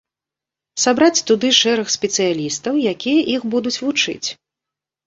Сабраць туды шэраг спецыялістаў, якія іх будуць вучыць.